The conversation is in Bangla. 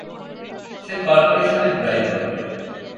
সে কর্পোরেশনের ড্রাইভার।